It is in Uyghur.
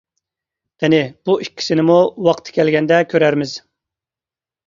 قېنى، بۇ ئىككىسىنىمۇ ۋاقتى كەلگەندە كۆرەرمىز.